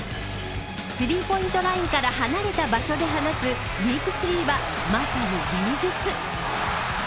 スリーポイントラインから離れた場所で放つディープスリーは、まさに芸術。